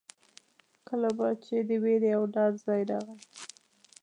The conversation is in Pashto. کله به چې د وېرې او ډار ځای راغی.